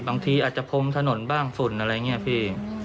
บางทีอาจจะพรมถนนบ้างฝุ่นอะไรอย่างนี้พี่